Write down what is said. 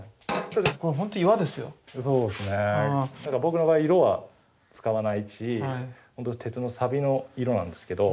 ただ僕の場合色は使わないしほんとに鉄のサビの色なんですけど。